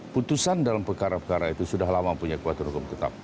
putusan dalam perkara perkara itu sudah lama punya kekuatan hukum tetap